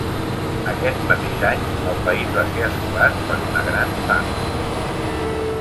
Aquest mateix any el país va ser assolat per una gran fam.